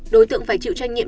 đối tượng phải chịu tranh nhiệm